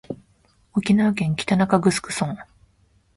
沖縄県北中城村